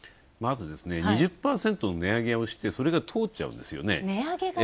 まず、２０％値上げをして、それが通っちゃうんですよね。